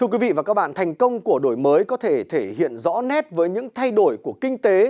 các bản thành công của đổi mới có thể thể hiện rõ nét với những thay đổi của kinh tế